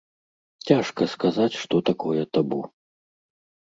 Цяжка сказаць, што такое табу.